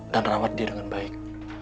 dan merawat dia dengan baik